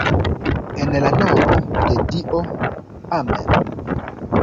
En la nomo de Dio, Amen'.